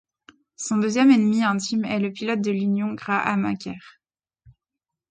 Son deuxième ennemi intime est le pilote de l'Union Graham Aker.